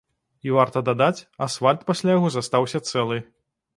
І, варта дадаць, асфальт пасля яго застаўся цэлы.